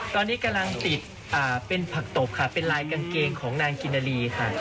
ตอนนี้กำลังติดเป็นผักตบค่ะเป็นลายกางเกงของนางกินนารีค่ะ